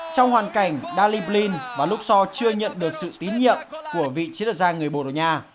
trong hoàn cảnh daliblin và lúc so chưa nhận được sự tín nhiệm của vị chiến đấu gia người borussia